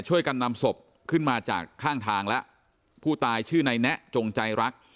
ช่วยกันนำศพขึ้นมาจากข้างทางแล้วผู้ตายชื่อในแนะจงใจรัก